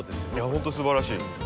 本当すばらしい。